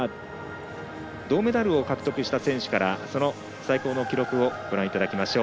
銅メダルを獲得した選手からその最高の記録をご覧いただきます。